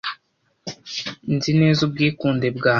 Nzi neza ubwikunde bwanjye,